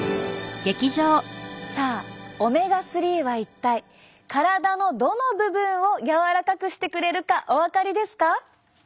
さあオメガ３は一体体のどの部分を柔らかくしてくれるかお分かりですか？